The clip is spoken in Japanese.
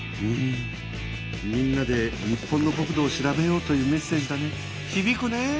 うんみんなで日本の国土を調べようというメッセージだね。